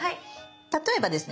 例えばですね